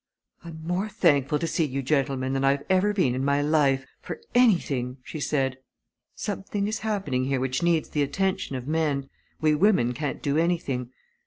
"I'm more thankful to see you gentlemen than I've ever been in my life for anything!" she said. "Something is happening here which needs the attention of men we women can't do anything.